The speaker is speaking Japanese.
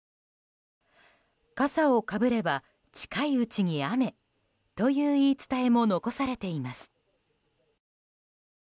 笠をかぶれば近いうちに雨という言い伝えも残されています。